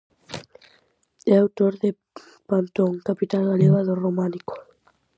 É autor de "Pantón, capital galega do Románico".